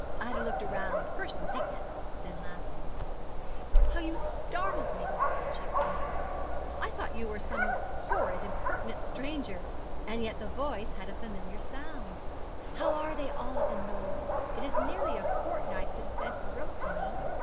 Ida looked round, first indignant, then laughing. 'How you startled me!' she exclaimed; 'I thought you were some horrid, impertinent stranger; and yet the voice had a familiar sound. How are they all at The Knoll? It is nearly a fortnight since Bessie wrote to me.